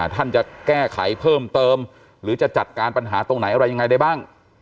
ท่านจะแก้ไขเพิ่มเติมหรือจะจัดการปัญหาตรงไหนอะไรยังไงได้บ้าง